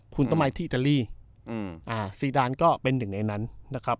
คุณต้องมาที่อิตาลีซีดานก็เป็นหนึ่งในนั้นนะครับ